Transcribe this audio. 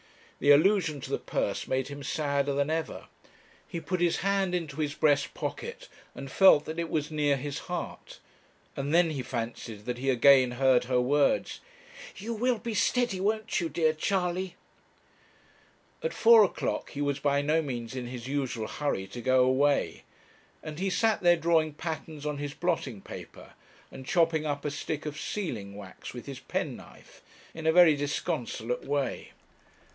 The allusion to the purse made him sadder than ever. He put his hand into his breast pocket, and felt that it was near his heart: and then he fancied that he again heard her words 'You will be steady; won't you, dear Charley?' At four o'clock, he was by no means in his usual hurry to go away, and he sat there drawing patterns on his blotting paper, and chopping up a stick of sealing wax with his penknife, in a very disconsolate way.